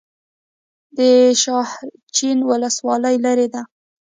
د شاحرچین ولسوالۍ لیرې ده